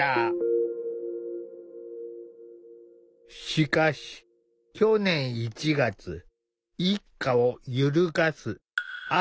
しかし去年１月一家を揺るがすある出来事が起きた。